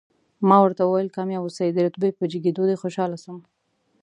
ما ورته وویل، کامیاب اوسئ، د رتبې په جګېدو دې خوشاله شوم.